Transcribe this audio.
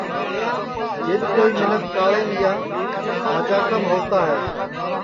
جِد کوئی مینکھ کاݪیم یا مجاکام ہووتا ہے